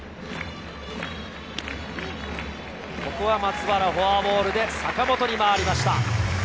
ここは松原、フォアボールで坂本に回りました。